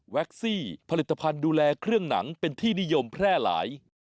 ซี่ผลิตภัณฑ์ดูแลเครื่องหนังเป็นที่นิยมแพร่หลาย